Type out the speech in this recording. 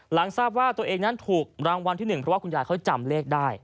หลังทราบว่าตัวเองนั้นถูกรางวัลที่๑เพราะว่าคุณยายเขาจำเลขได้